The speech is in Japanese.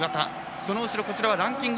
その後ろ、ランキング